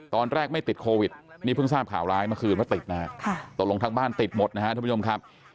ตอนแรกไม่ติดโควิดนี่เพิ่งทราบข่าวร้ายเมื่อคืนว่าติดนะฮะตกลงทางบ้านติดหมดนะครับทุกผู้ชมครับ